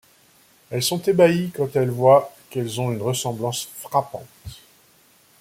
Elles sont ébahies quand elles voient qu'elles ont une ressemblance frappante.